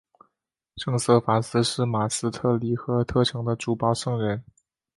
圣瑟法斯是马斯特里赫特城的主保圣人。